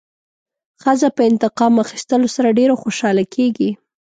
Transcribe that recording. ښځه په انتقام اخیستلو سره ډېره خوشحاله کېږي.